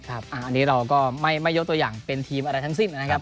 อันนี้เราก็ไม่ยกตัวอย่างเป็นทีมอะไรทั้งสิ้นนะครับ